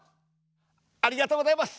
ありがとうございます！